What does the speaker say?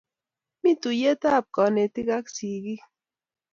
Mi tuyet ap kanetik ak sikik